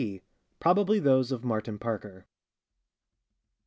P.; probably those of Martin Parker.